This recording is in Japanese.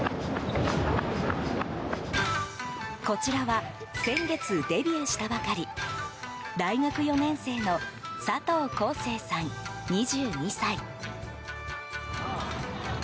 こちらは先月デビューしたばかり大学４年生の佐藤晃成さん、２２歳。